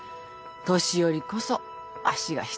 年寄りこそ足が必要だ。